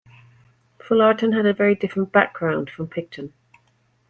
Fullarton had a very different background from Picton.